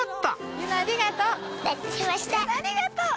陽菜ありがとう！